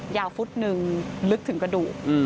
ฟุตหนึ่งลึกถึงกระดูก